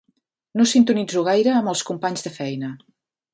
No sintonitzo gaire amb els companys de feina.